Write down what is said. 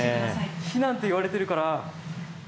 避難って言われてるから。